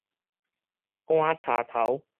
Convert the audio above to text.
棺柴頭